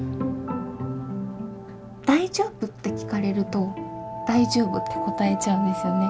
「大丈夫？」と聞かれると「大丈夫」って答えちゃうんですよね。